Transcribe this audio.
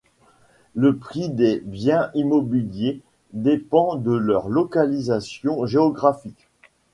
Le prix des biens immobiliers dépend de leur localisation géographique.